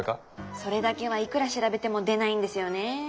それだけはいくら調べても出ないんですよねー。